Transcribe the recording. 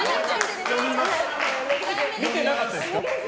見てなかったですか？